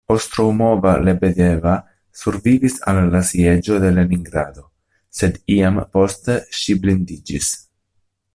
Ostroumova-Lebedeva survivis al la Sieĝo de Leningrado, sed iam poste ŝi blindiĝis.